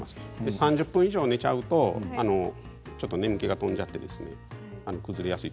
３０分以上寝てしまうとちょっと眠気が飛んでしまって崩れやすい。